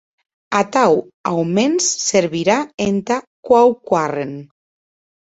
Atau, aumens, servirà entà quauquarren.